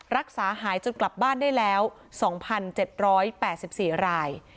รักษาหายจนกลับบ้านได้แล้ว๒๗๘๔ราย